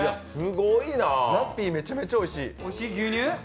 ラッピー、めちゃめちゃおいしい。